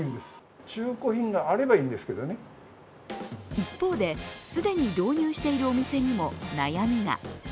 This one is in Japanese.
一方で、既に導入しているお店にも悩みが。